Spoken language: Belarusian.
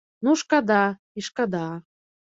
Ну шкада, і шкада.